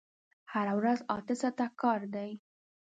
هره ورځ اته ساعته کار دی!